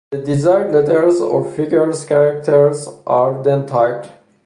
The desired letters or figures characters are then typed.